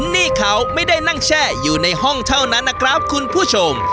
นี่เขาไม่ได้นั่งแช่อยู่ในห้องเท่านั้นนะครับคุณผู้ชม